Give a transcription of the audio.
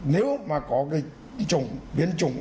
nếu mà có cái biến chủng